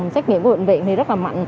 xét nghiệm của bệnh viện thì rất là mạnh